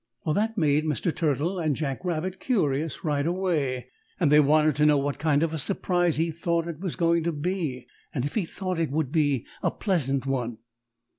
That made Mr. Turtle and Jack Rabbit curious right away, and they wanted to know what kind of a surprise he thought it was going to be and if he thought it would be a pleasant one.